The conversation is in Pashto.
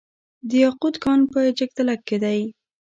د یاقوت کان په جګدلک کې دی